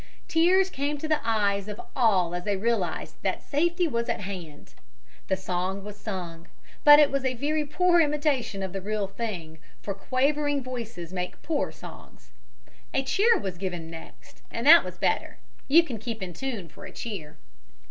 Tears came to the eyes of all as they realized that safety was at hand. The song was sung, but it was a very poor imitation of the real thing, for quavering voices make poor songs. A cheer was given next, and that was better you can keep in tune for a cheer.